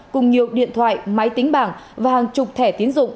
cùng nhiều điện thoại máy tính bảng và hàng chục thẻ tiến dụng